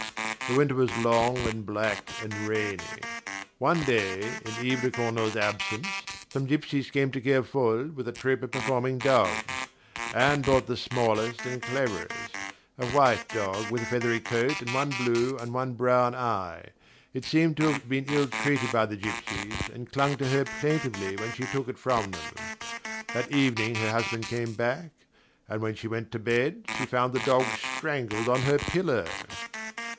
The winter was long and black and rainy. One day, in Yves de Cornault's absence, some gypsies came to Kerfol with a troop of performing dogs. Anne bought the smallest and cleverest, a white dog with a feathery coat and one blue and one brown eye. It seemed to have been ill treated by the gypsies, and clung to her plaintively when she took it from them. That evening her husband came back, and when she went to bed she found the dog strangled on her pillow.